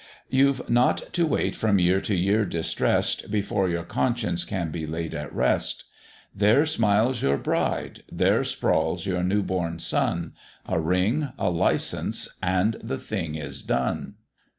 You've not to wait from year to year distress'd, Before your conscience can be laid at rest; There smiles your bride, there sprawls your new born son, A ring, a licence, and the thing is done."